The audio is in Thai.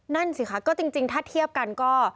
นั่นสิคะก็จริงถ้าเทียบกันก็